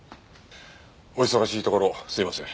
お忙しいところすみません。